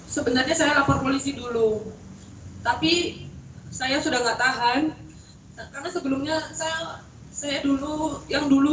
sebenarnya saya lapor polisi dulu tapi saya sudah nggak tahan karena sebelumnya saya dulu yang dulu